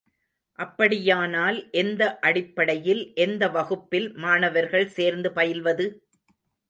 அப்படியானால், எந்த அடிப்படையில் எந்த வகுப்பில் மாணவர்கள் சேர்ந்து பயில்வது?